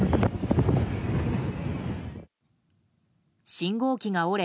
信号機が折れ